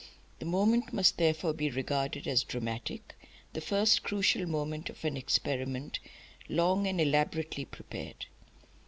The moment must therefore be regarded as dramatic, the first crucial moment of an experiment long and elaborately prepared.